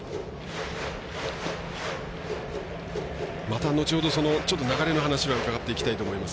また後ほど流れの話は伺っていきたいと思います。